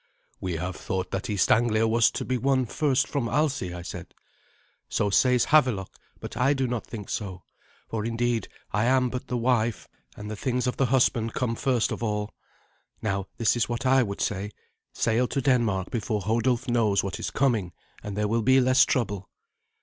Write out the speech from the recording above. "We have thought that East Anglia was to be won first from Alsi," I said. "So says Havelok; but I do not think so. For, indeed, I am but the wife, and the things of the husband come first of all. Now, this is what I would say. Sail to Denmark before Hodulf knows what is coming, and there will be less trouble."